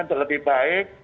untuk lebih baik